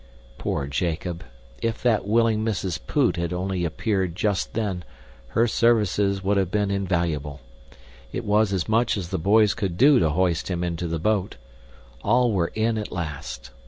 Poor Jacob! If that willing Mrs. Poot had only appeared just then, her services would have been invaluable. It was as much as the boys could do to hoist him into the boat. All were in at last.